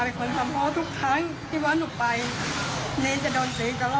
เพราะว่าลูกตาเป็นคนทำเพราะทุกครั้งที่ว่าหนูไปนี่จะโดนเสียอีกกว่ารอบ